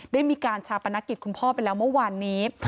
ได้มีการชาปนกิจคุณพ่อไปแล้วเมื่อวานนี้